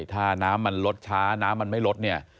ถ้าน้ำมันลดช้าน้ำมันไม่ลดเนี่ย